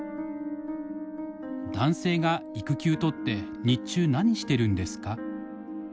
「男性が育休とって日中何してるんですか？」。